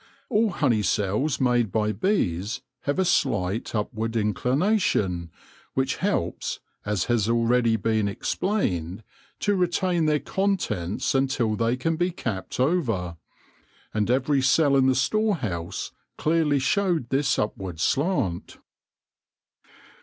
All honey cells made by bees have a slight upward inclination, which helps, as has been already explained, to retain their contents until they can be capped over. And every cell in the storehouse clearly showed this upward slant.